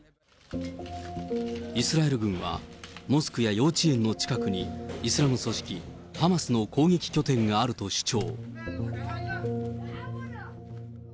イスラエル軍は、モスクや幼稚園の近くに、イスラム組織ハマスの攻撃拠点があると主張。